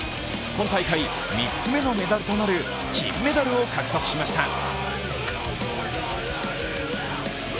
今大会３つ目のメダルとなる金メダルを獲得しました。